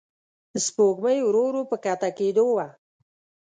سپوږمۍ ورو ورو په کښته کېدو وه.